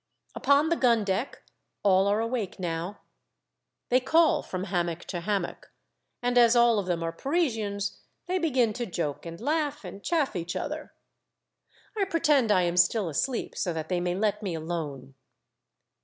Upon the gun deck, all are awake now. They call from hammock to hammock, and as all of them are Parisians, they begin to joke and laugh, and chaff each other. I pretend I am still asleep so that they may let me alone.